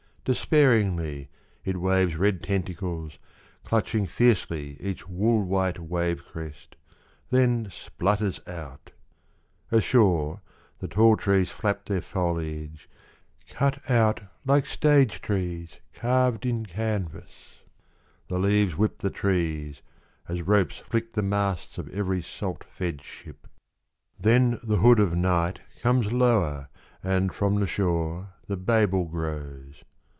Despairingly it waves red tentacles, clutching Fiercely each wool white wave crest, then splutters out — Ashore, the tall trees flap their foliage, Cut out like stage trees carved in canvas ;— The leaves whip the trees, as ropes flick the masts Of every salt fed ship. 33 Tahiti. Then the hood of night comes lower, and from the shore, The Babel grows.